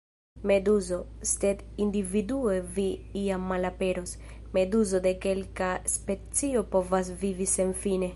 Meduzo: "Sed individue vi iam malaperos. Meduzo de kelka specio povas vivi senfine."